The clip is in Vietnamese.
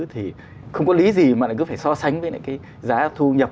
thì không có lý gì mà lại cứ phải so sánh với lại cái giá thu nhập